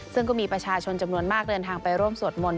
ซึ่งก็มีประชาชนจำนวนมากเดินทางไปร่วมสวดมนต